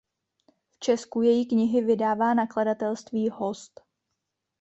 V Česku její knihy vydává nakladatelství "Host".